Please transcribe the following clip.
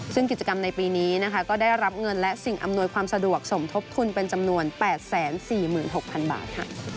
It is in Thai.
ซึ่งกิจกรรมในปีนี้นะคะก็ได้รับเงินและสิ่งอำนวยความสะดวกสมทบทุนเป็นจำนวน๘๔๖๐๐๐บาท